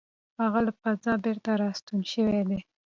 هغه له فضا بېرته راستون شوی دی.